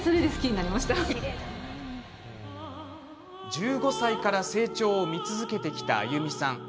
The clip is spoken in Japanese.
１５歳から成長を見続けてきた亜由美さん。